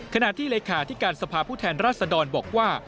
ขณะที่เลขาธิการสภาพผู้แทนราชดรบอกว่า